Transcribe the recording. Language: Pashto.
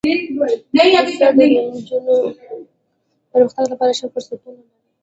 پسه د نجونو د پرمختګ لپاره ښه فرصتونه لري.